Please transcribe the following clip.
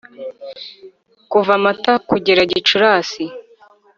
kuva mata kugera gicurasi,